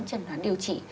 trần hoán điều trị